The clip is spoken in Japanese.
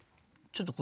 ちょっと。